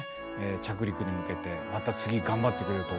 着陸に向けてまた次頑張ってくれると思いますよ。